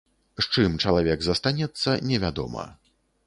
З чым чалавек застанецца, невядома.